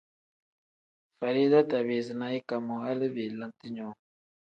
Farida tabiizi na ika moo hali belente nyoo.